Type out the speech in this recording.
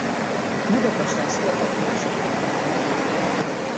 Budapesten született második gyerekként.